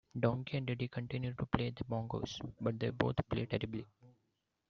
Donkey and Diddy continue to play the bongos, but they both play terribly.